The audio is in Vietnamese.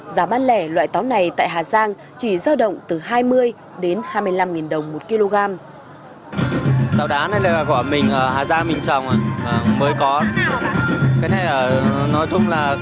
giá bán lẻ loại táo này tại hà giang chỉ giao động từ hai mươi đến hai mươi năm đồng một kg